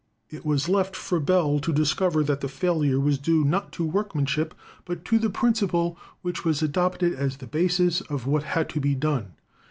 "It was left for Bell to discover that the failure was due not to workmanship, but to the principle which was adopted as the basis of what had to be done.